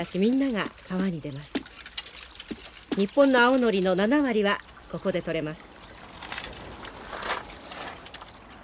日本の青ノリの７割はここで採れます。